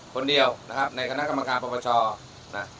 คนเดียวนะครับในคณะกรรมการปรปชนะ